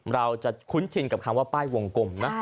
เราจะคุ้นชินกับคำว่าป้ายวงกลมนะ